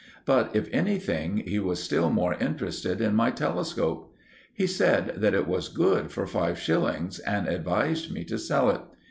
But, if anything, he was still more interested in my telescope. He said that it was good for five shillings and advised me to sell it.